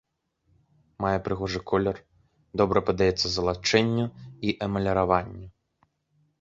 Мае прыгожы колер, добра паддаецца залачэнню і эмаліраванню.